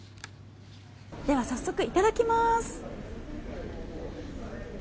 では早速いただきます。